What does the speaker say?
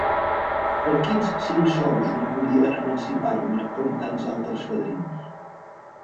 Per quins cinc sous no podia emancipar-me, com tants altres fadrins?